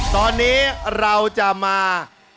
ตอนนี้เราจะมา